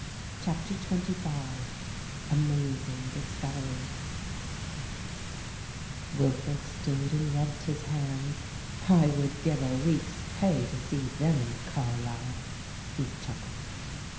CHAPTER XXV AMAZING DISCOVERIES Wilfred stood and rubbed his hands. "I would give a week's pay to see them in Carlisle," he chuckled.